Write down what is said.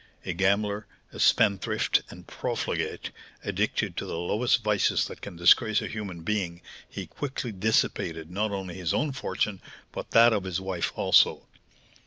A gambler, a spendthrift, and profligate, addicted to the lowest vices that can disgrace a human being, he quickly dissipated, not only his own fortune, but that of his wife also.